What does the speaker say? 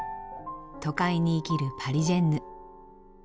都会に生きるパリジェンヌ。